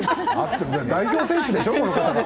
代表選手でしょ？